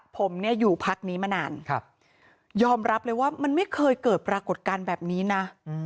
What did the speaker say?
ผมเนี่ยอยู่พักนี้มานานยอมรับเลยว่ามันไม่เคยเกิดปรากฏการณ์แบบนี้นะ